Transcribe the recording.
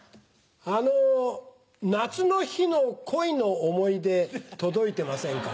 あの夏の日の恋の思い出届いてませんか？